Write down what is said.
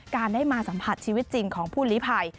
การได้มาสัมผัสชีวิตจริงของผู้ลิภัย